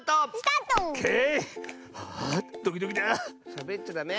しゃべっちゃダメ！